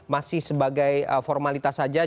masih sebagai formalitas saja